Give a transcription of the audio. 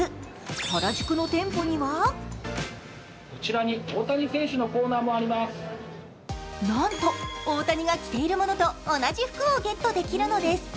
原宿の店舗にはなんと大谷が着ているものと同じ服をゲットできるのです。